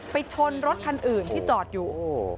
ชนรถคันอื่นที่จอดอยู่